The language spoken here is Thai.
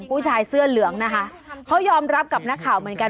ผู้ชายเสื้อเหลืองนะคะเขายอมรับกับนักข่าวเหมือนกัน